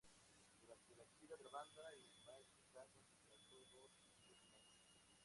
Durante la gira de la banda, Imagine Dragons lanzó dos sencillos sin álbum.